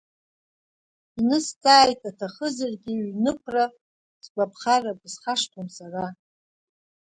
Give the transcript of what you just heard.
Инысҵааит аҭахызаргь ҩнықәра сгәаԥхара, бысхашҭуам, сара.